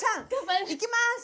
いきます！